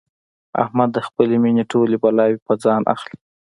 احمد د خپلې مینې ټولې بلاوې په ځان اخلي.